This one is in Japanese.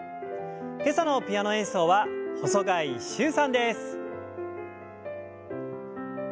今朝のピアノ演奏は細貝柊さんです。